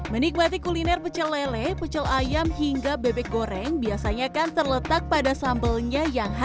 menikmati kuliner pecel lele pecel ayam hingga bebek goreng biasanya kan terletak pada sambalnya yang khas